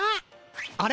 あれ？